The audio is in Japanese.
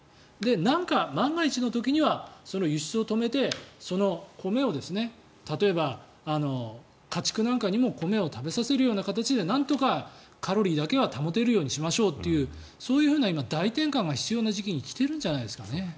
何か万が一の時は輸出を止めて、米を例えば、家畜なんかにも米を食べさせるような形でなんとかカロリーだけは保てるようにしましょうっていうそういう大転換が必要な時期に来ているんじゃないですかね。